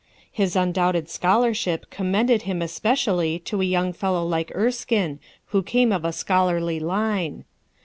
His undoubted scholarship commended him espe cially to a young fellow like Erskinc who came of a scholarly line.